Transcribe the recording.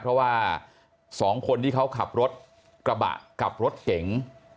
เพราะว่า๒คนที่เขาขับรถกระบะกับรถเก๋ง